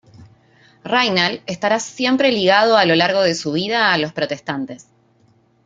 Raynal estará siempre ligado a lo largo de su vida a los protestantes.